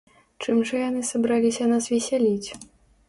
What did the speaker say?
Чым жа яны сабраліся нас весяліць?